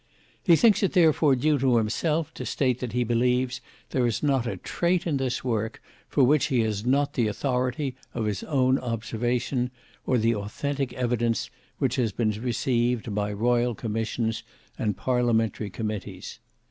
He thinks it therefore due to himself to state that he believes there is not a trait in this work for which he has not the authority of his own observation, or the authentic evidence which has been received by Royal Commissions and Parliamentary Committees.